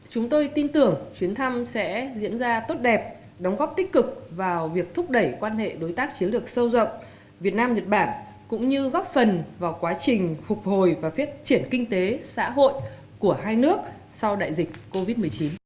chúng tôi tin tưởng chuyến thăm sẽ diễn ra tốt đẹp đóng góp tích cực vào việc thúc đẩy quan hệ đối tác chiến lược sâu rộng việt nam nhật bản cũng như góp phần vào quá trình phục hồi và phát triển kinh tế xã hội của hai nước sau đại dịch covid một mươi chín